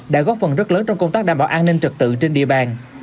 đã góp phần rất lớn trong công tác đảm bảo an ninh trật tự trên địa bàn